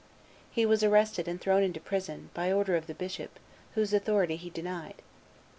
He was arrested and thrown into prison, by order of the bishop, whose authority he denied.